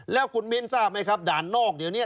แล้วคุณมิ้นทราบไหมครับด่านนอกเดี๋ยวนี้